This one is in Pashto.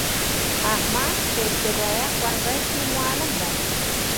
احمد په ابتدایه ښونځی کی معلم دی.